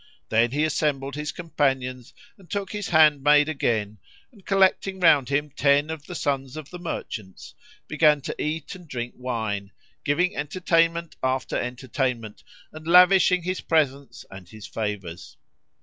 Then he assembled his companions and took his handmaid again; and, collecting round him ten of the sons of the merchants, began to eat meat and drink wine, giving entertainment after entertainment and lavishing his presents and his favours.